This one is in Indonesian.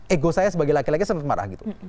ego saya sebagai laki laki sempat marah gitu